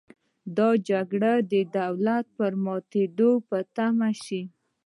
دا جګړه د دولت پر ماتې تمامه شوه.